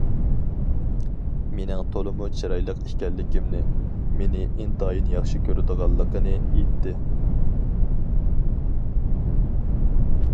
مېنىڭ تولىمۇ چىرايلىق ئىكەنلىكىمنى، مېنى ئىنتايىن ياخشى كۆرىدىغانلىقىنى ئېيتتى.